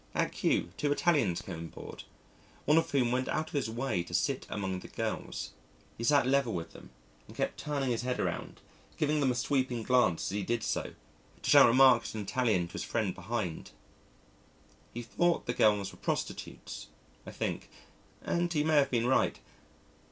At Kew, two Italians came aboard, one of whom went out of his way to sit among the girls. He sat level with them, and kept turning his head around, giving them a sweeping glance as he did so, to shout remarks in Italian to his friend behind. He thought the girls were prostitutes, I think, and he may have been right.